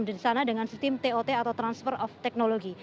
di sana dengan sistem tot atau transfer of technology